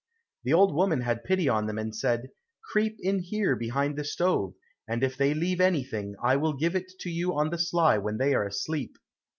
The old woman had pity on them and said, "Creep in here behind the stove, and if they leave anything, I will give it to you on the sly when they are asleep."